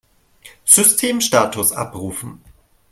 Systemstatus abrufen!